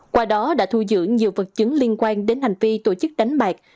qua đó đã thu dưỡng nhiều vật chứng liên quan đến hành vi tổ chức đánh bạc